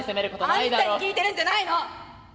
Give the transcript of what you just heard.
あんたに聞いてるんじゃないの！